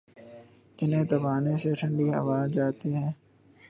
۔ جنہیں دبانے سے یہ ٹھنڈی ہوجاتے ہیں۔